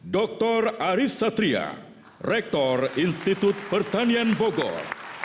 dr arief satria rektor institut pertanian bogor